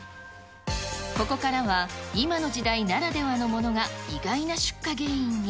ここからは、今の時代ならではのものが意外な出火原因に。